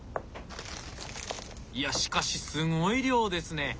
いやしかしすごい量ですね！